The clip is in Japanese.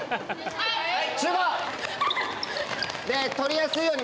はい。